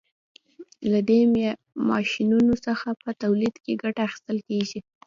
له دې ماشینونو څخه په تولید کې ګټه اخیستل کیږي.